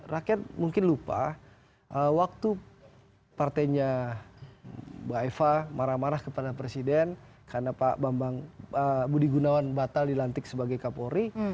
rakyat mungkin lupa waktu partainya mbak eva marah marah kepada presiden karena pak budi gunawan batal dilantik sebagai kapolri